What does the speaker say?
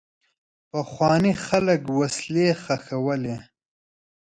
پخواني خلک وسلې ښخولې.